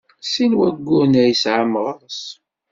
Sin n wayyuren ay yesɛa Meɣres.